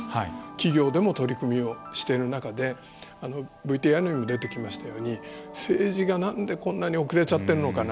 企業でも取り組みをしている中でＶＴＲにも出てきましたように政治が、なんでこんなに遅れちゃってるのかな。